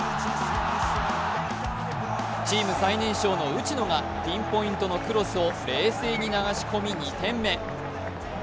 チーム最年少の内野がピンポイントのクロスを冷静に流し込み２点目。